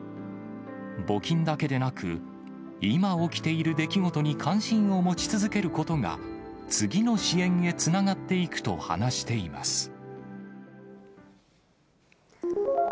募金だけでなく、今起きている出来事に関心を持ち続けることが、次の支援へつながっていくと話しています。